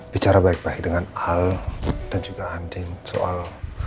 bicara baik baik dengan al dan juga anding soal